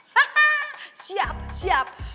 haha siap siap